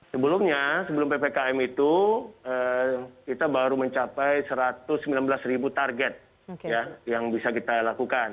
sebelumnya sebelum ppkm itu kita baru mencapai satu ratus sembilan belas ribu target yang bisa kita lakukan